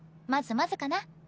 まずまずかな。